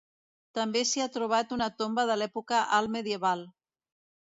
També s'hi ha trobat una tomba de l'època alt-medieval.